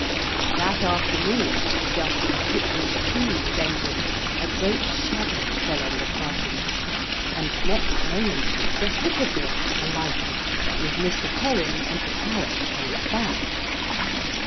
That afternoon, just as a picnic tea was ending, a great shadow fell on the party, and next moment the Hippogriff alighted with Mr. Perrin and the parrot on its back.